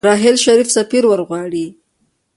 راحیل شريف سفير ورغواړي.